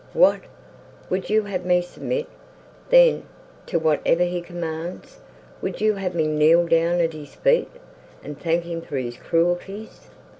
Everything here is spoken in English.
"What! would you have me submit, then, to whatever he commands—would you have me kneel down at his feet, and thank him for his cruelties?